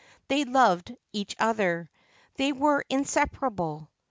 They loved each other. They were inseparable.